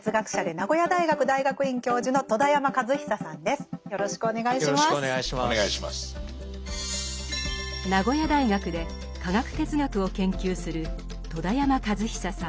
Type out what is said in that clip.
名古屋大学で科学哲学を研究する戸田山和久さん。